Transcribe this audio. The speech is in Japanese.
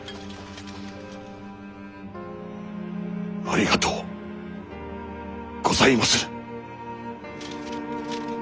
ありがとうございまする！